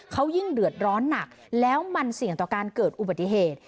เขายิ่งเดือดร้อนหนักแล้วมันเสี่ยงต่อการเกิดอุบัติเหตุ